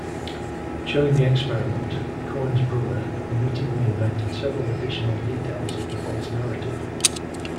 During the experiment, Coan's brother unwittingly invented several additional details of the false narrative.